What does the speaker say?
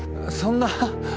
そんな。